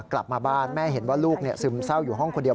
กลับมาบ้านแม่เห็นว่าลูกซึมเศร้าอยู่ห้องคนเดียว